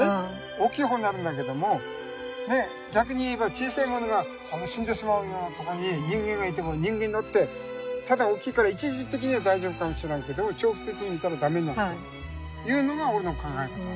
大きい方になるんだけどもねっ逆に言えば小さいものが死んでしまうようなとこに人間がいても人間だってただ大きいから一時的には大丈夫かもしらんけど長期的に見たら駄目になるというのが俺の考え方。